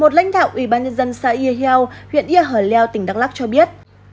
một lãnh đạo ủy ban nhân dân xã yêu hèo huyện yêu hở leo tỉnh đắk lắc cho biết